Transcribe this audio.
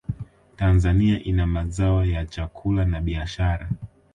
tanzania ina mazao ya chakula na biashara